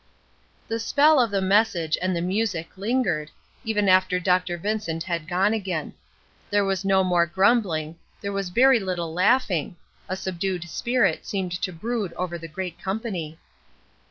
The spell of the message and the music lingered, even after Dr. Vincent had gone again. There was no more grumbling; there was very little laughing; a subdued spirit seemed to brood over the great company.